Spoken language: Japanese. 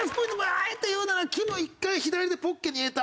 あえて言うならきむ１回左手ポッケに入れた。